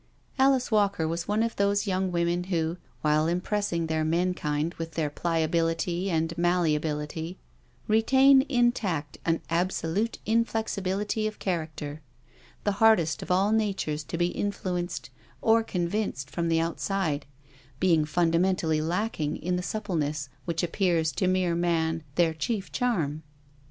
Alice Walker was one of those young women who, while impressing their menkind with their pliability and malleability, retain intact an absolute inflexibility of character, the hardest of all natures to be influenced or convinced from the outside, being fundamentally lacking in the suppleness which appears to mere man their THE PASSING OF THE WOMEN 313 chief charm.